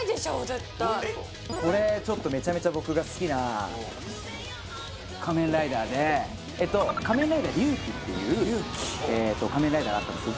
絶対これちょっとメチャメチャ僕が好きな仮面ライダーで「仮面ライダー龍騎」っていう仮面ライダーがあったんです